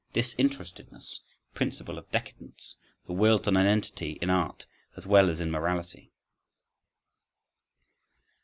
… "Disinterestedness"—principle of decadence, the will to nonentity in art as well as in morality.